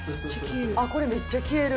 これめっちゃ消える。